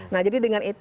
nah jadi dengan itu